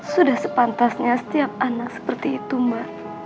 sudah sepantasnya setiap anak seperti itu mbak